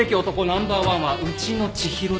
ナンバーワンはうちの知博では？